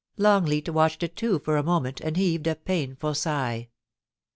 ^ngleat watched it too for a moment, and heaved a painful sieh.